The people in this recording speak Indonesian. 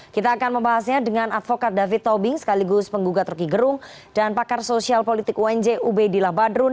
kita akan membahasnya dengan advokat david tobing sekaligus penggugat roky gerung dan pakar sosial politik unj ub dila badrun